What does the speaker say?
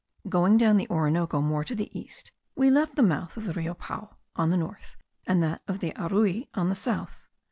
Going down the Orinoco more to the east, we left the mouth of the Rio Pao on the north, and that of the Arui on the south.